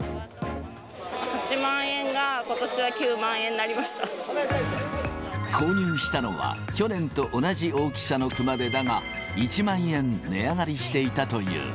８万円がことしは９万円にな購入したのは、去年と同じ大きさの熊手だが、１万円値上がりしていたという。